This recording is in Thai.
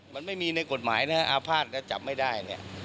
มันไม่มีในกฎหมายอาภาษณ์จะจับไม่ได้